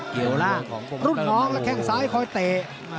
หลุดหนองแล้วแค่งสายคอยเตะ